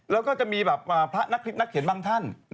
แล้วก็จะมีแบบพระนักคลิปนักเขียนบางท่าน